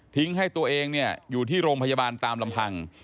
ให้ตัวเองอยู่ที่โรงพยาบาลตามลำพัง